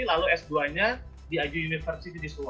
lalu s dua nya di iu university di suwon